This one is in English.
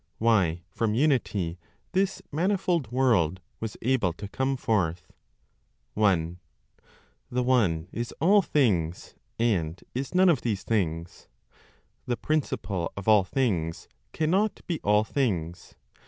WHY FROM UNITY THIS MANIFOLD WORLD WAS ABLE TO COME FORTH. 1. The One is all things, and is none of these things. The Principle of all things cannot be all things.